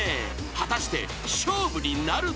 ［果たして勝負になるのか？］